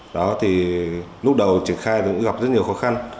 đó thì lúc đầu triển khai thì cũng gặp rất nhiều khó khăn